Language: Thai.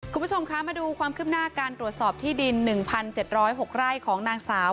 คุณผู้ชมคะมาดูความคืบหน้าการตรวจสอบที่ดิน๑๗๐๖ไร่ของนางสาว